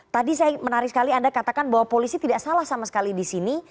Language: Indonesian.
tadi saya menarik sekali anda katakan bahwa polisi tidak salah sama sekali di sini